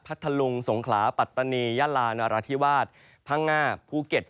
ทะลุงสงขลาปัตตานียาลานราธิวาสพังงาภูเก็ต